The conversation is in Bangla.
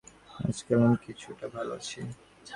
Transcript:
আজকাল আমি কিছুটা ভাল আছি।